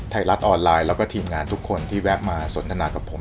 ไทยรัฐออนไลน์แล้วก็ทีมงานทุกคนที่แวะมาสนทนากับผม